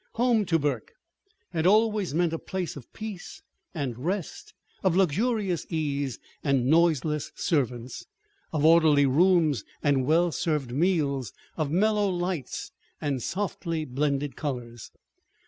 "Home," to Burke, had always meant a place of peace and rest, of luxurious ease and noiseless servants, of orderly rooms and well served meals, of mellow lights and softly blended colors.